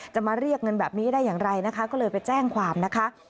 จะมาเรียกเงินแบบนี้ได้อย่างไรนะคะก็เลยไปแจ้งความนะคะ